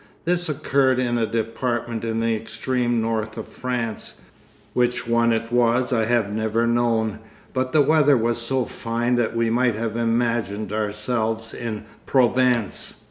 This occurred in a department in the extreme north of France, which one it was I have never known, but the weather was so fine that we might have imagined ourselves in Provence.